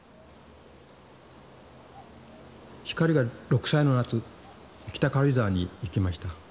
光が６歳の夏北軽井沢に行きました。